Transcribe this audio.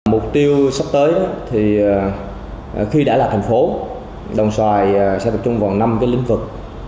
mục tiêu sắp tới thì khi đã là thành phố đồng xoài sẽ tập trung vào năm cái lĩnh vực